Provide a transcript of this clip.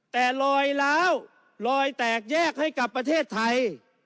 แต่ลอยล้าวลอยแตกแยกให้กับประเทศไทย